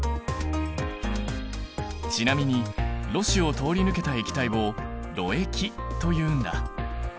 ちなみにろ紙を通り抜けた液体を「ろ液」というんだ。